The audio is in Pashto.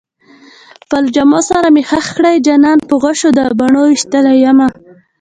خپلو جامو سره مې خښ کړئ جانان په غشو د بڼو ويشتلی يمه